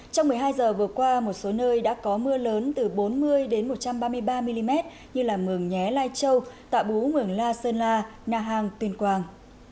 trong một mươi hai giờ vừa qua một số nơi đã có mưa lớn từ bốn mươi đến một trăm ba mươi ba mm như mường nhé lai châu tạ bú mường la sơn la na hàng tuyên quang